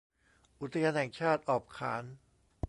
อุทยานแห่งชาติออบขาน